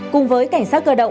cùng với cảnh sát cơ động